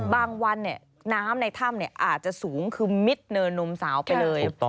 บางวันน้ำในถ้ำอาจจะสูงคือมิดเนินนมสาวไปเลย